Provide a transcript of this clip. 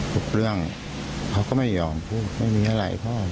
ทุกเรื่องเขาก็ไม่ยอมพูดไม่มีอะไรพ่อ